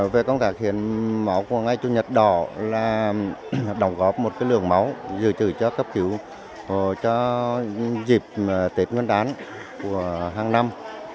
về công tác hiến máu của ngày chủ nhật đỏ là đóng góp một lượng máu dự trữ cho cấp cứu cho dịp tết nguyên đán của hàng năm